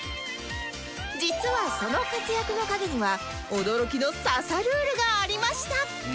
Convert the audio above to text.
実はその活躍の陰には驚きの刺さルールがありました